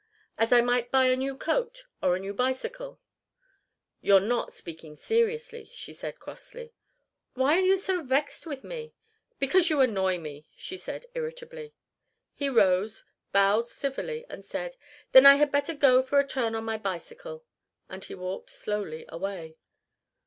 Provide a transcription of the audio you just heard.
"As I might buy a new coat or a new bicycle?" "You're not speaking seriously," she said, crossly. "Why are you so vexed with me?" "Because you annoy me," she said, irritably. He rose, bowed civilly and said: "Then I had better go for a turn on my bicycle." And he walked slowly away.